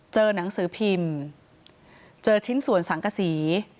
หนังสือพิมพ์เจอชิ้นส่วนสังกษี